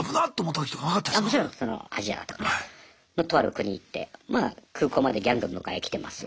あもちろんアジアだったかなのとある国行ってまあ空港までギャング迎え来てます。